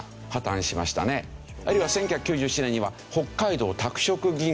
あるいは１９９７年には北海道拓殖銀行が。